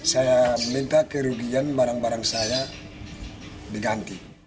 saya minta kerugian barang barang saya diganti